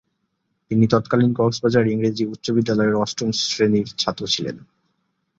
তিনি তৎকালীন কক্সবাজার ইংরেজি উচ্চ বিদ্যালয়ের বিদ্যালয়ের অষ্টম শ্রেণির ছাত্র ছিলেন।